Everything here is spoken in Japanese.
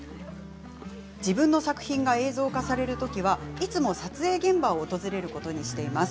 自分の作品が映像化されるときはいつも撮影現場を訪れることにしています。